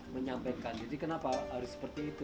menyampaikan jadi kenapa harus seperti itu